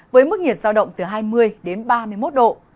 với mức nhiệt giao động từ hai mươi đến ba mươi một độ